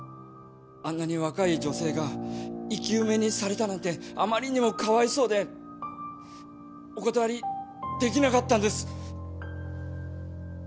あんなに若い女性が生き埋めにされたなんてあまりにもかわいそうでお断りできなかったんです。